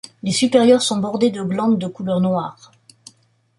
Les supérieures sont bordées de glandes de couleur noire.